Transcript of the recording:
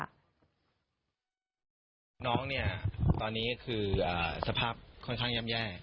น้องเนี่ยตอนนี้คือสภาพค่อนข้างย่ำแย่